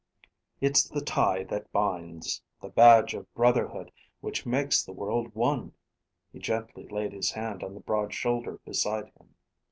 It's the tie that binds, the badge of brotherhood which makes the world one." He gently laid his hand on the broad shoulder beside him.